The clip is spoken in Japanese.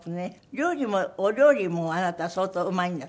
料理もお料理もあなた相当うまいんだって？